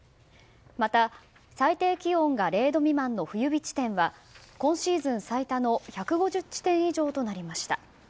また、最低気温が０度未満の冬日地点は今シーズン最多の１５０地点以上となりました。